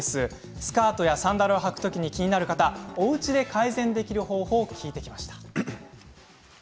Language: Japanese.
スカートやサンダルをはくときに気になる方、おうちで改善できる方法を聞いてきました。